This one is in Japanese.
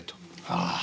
ああ。